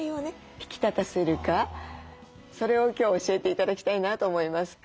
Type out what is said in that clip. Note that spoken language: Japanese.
引き立たせるかそれを今日教えて頂きたいなと思います。